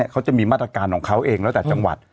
เขาจะมีมาตรการของเขาเองแล้วแต่จังหวัด